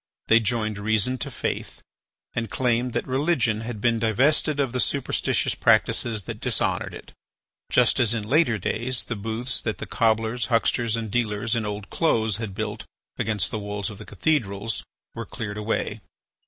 They joined reason to faith, and claimed that religion had been divested of the superstitious practices that dishonoured it, just as in later days the booths that the cobblers, hucksters, and dealers in old clothes had built against the walls of the cathedrals were cleared away.